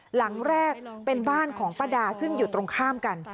หลังแรกเป็นบ้านของป้าดาซึ่งอยู่ตรงข้ามกัน